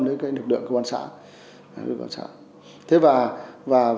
đến lực lượng công an xã